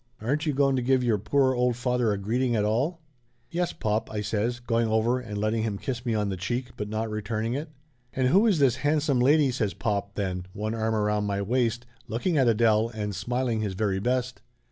Aren't ye going to give your poor old father a greeting at all ?" "Yes, pop !" I says, going over and letting him kiss me on the cheek but not returning it. "And who is this handsome lady?" says pop then, one arm around my waist, looking at Adele and smiling his very best.